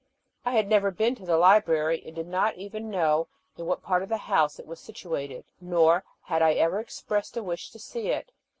I had never been to the library, and did not even know in what part of the house it was situated; nor had I ever expressed a wish to see it.